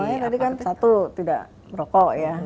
soalnya tadi kan satu tidak merokok ya